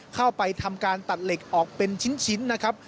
เข้าไปทำการตัดเหล็กออกเป็นชิ้นนะครับ